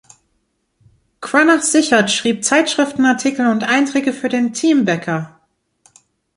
Cranach-Sichart schrieb Zeitschriftenartikel und Einträge für den "Thieme-Becker".